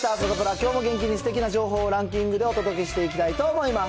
きょうも元気にすてきな情報をランキングでお届けしていきたいと思います。